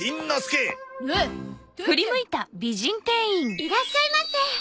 いらっしゃいませ！